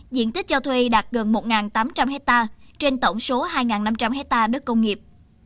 diện tích cho thuê đạt gần một tám trăm linh hectare trên tổng số hai năm trăm linh hectare đất công nghiệp